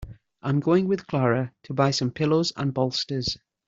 I'm going with Clara to buy some pillows and bolsters.